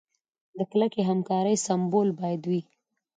د کلکې همکارۍ سمبول باید وي.